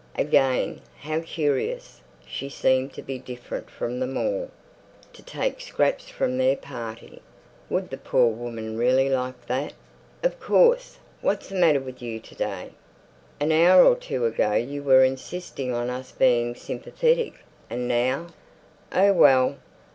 Again, how curious, she seemed to be different from them all. To take scraps from their party. Would the poor woman really like that? "Of course! What's the matter with you to day? An hour or two ago you were insisting on us being sympathetic, and now—" Oh well!